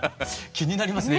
気になりますね